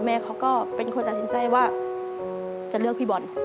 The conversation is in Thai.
แม่เขาก็เป็นคนตัดสินใจว่าจะเลือกพี่บอล